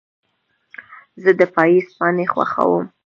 زه د پاییز پاڼې خوښوم.